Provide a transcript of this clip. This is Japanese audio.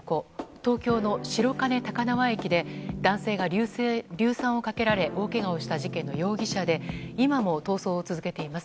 東京の白金高輪駅で男性が硫酸をかけられ大けがをした事件の容疑者で今も逃走を続けています。